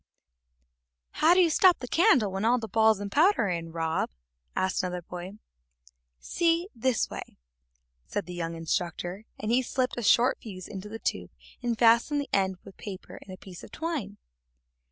"How do you stop the candle when all the balls and powder are in, Rob?" asked another boy. "See, this way," said the young instructor, and he slipped a short fuse into the tube and fastened the end with paper and a piece of twine.